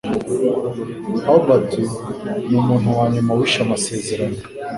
Albert numuntu wanyuma wishe amasezerano.